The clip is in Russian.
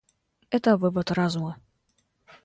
Это вывод разума.